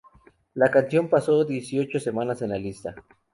La canción pasó dieciocho semanas en la lista.